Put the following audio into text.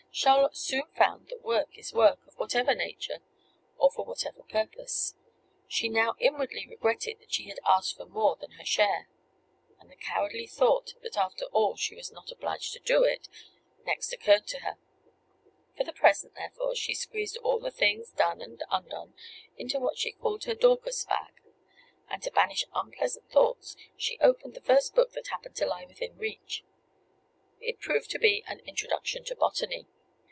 Charlotte soon found that work is work, of whatever nature, or for whatever purpose. She now inwardly regretted that she had asked for more than her share; and the cowardly thought that after all she was not obliged to do it next occurred to her. For the present, therefore, she squeezed all the things, done and undone, into what she called her "Dorcas bag;" and to banish unpleasant thoughts, she opened the first book that happened to lie within reach. It proved to be "An Introduction to Botany."